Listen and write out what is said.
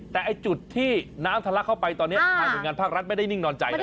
แต่จุดที่น้ำทะลักเข้าไปตอนนี้ทางหน่วยงานภาครัฐไม่ได้นิ่งนอนใจนะ